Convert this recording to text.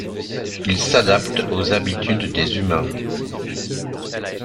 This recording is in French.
Ils s’adaptent aux habitudes des humains.